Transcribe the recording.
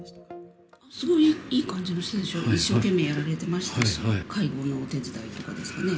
すごいいい感じの人でしたよ、一生懸命やられてましたし、介護のお手伝いとかですかね。